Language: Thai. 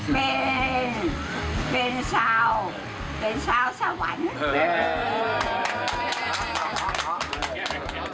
แม่เป็นชาวเป็นชาวสวรรค์